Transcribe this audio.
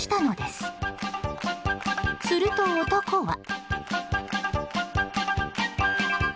すると、男は。